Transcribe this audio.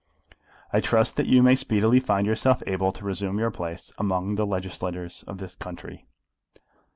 I trust that you may speedily find yourself able to resume your place among the legislators of the country."